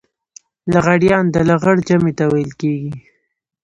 لغړيان د لغړ جمع ته ويل کېږي.